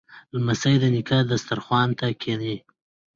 لمسی د نیکه دسترخوان ته کیني.